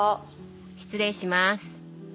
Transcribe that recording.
失礼します。